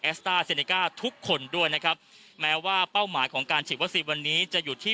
สต้าเซเนก้าทุกคนด้วยนะครับแม้ว่าเป้าหมายของการฉีดวัคซีนวันนี้จะอยู่ที่